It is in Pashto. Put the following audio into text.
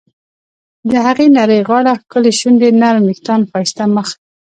د هغې نرۍ غاړه، ښکلې شونډې ، نرم ویښتان، ښایسته مخ..